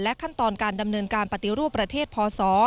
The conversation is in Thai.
ขั้นตอนการดำเนินการปฏิรูปประเทศพศ